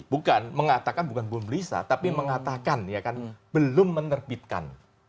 bukan mengatakan bukan belum bisa tapi mengatakan ya kan belum menerbitkan